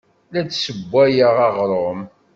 La d-ssewwayeɣ aɣrum.